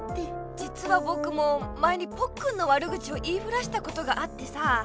じつは僕も前にポッくんの悪口を言いふらしたことがあってさ。